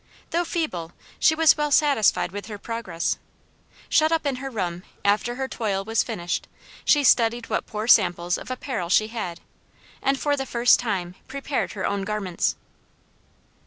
Though feeble, she was well satisfied with her progress. Shut up in her room, after her toil was finished, she studied what poor samples of apparel she had, and, for the first time, prepared her own garments.